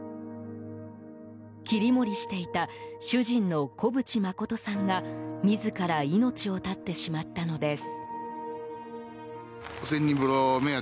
切り盛りしていた主人の小淵誠さんが自ら命を絶ってしまったのです。